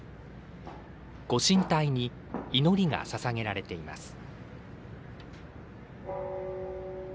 ご神体に祈りがささげられています。